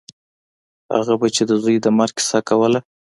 هغه به چې د زوى د مرګ کيسه کوله.